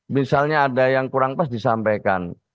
misalnya ada yang kurang pas disampaikan